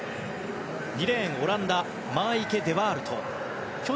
２レーン、オランダのマーイケ・デ・ワールト。